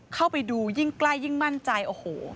เข้าไปดูยิ่งใกล้ยิ่งมั่นใจโอ้โห